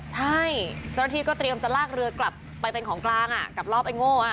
ใช่เจ้าหน้าที่ก็เตรียมจะลากเรือกลับไปเป็นของกลางกับรอบไอ้โง่